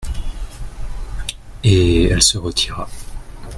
Et elle se retira.